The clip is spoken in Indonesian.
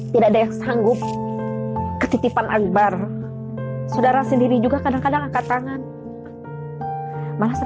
tidak ada yang sanggup ketitipan akbar saudara sendiri juga kadang kadang angkat tangan merasa